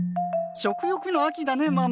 食欲の秋だね、ママ。